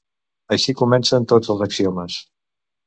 Així comencen tots els axiomes.